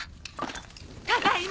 ただいま！